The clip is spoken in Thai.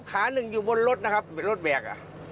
ขาหนึ่งอยู่บนรถรถแบก